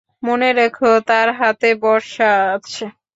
মনে রেখ, তার হাতে বর্শা আছে।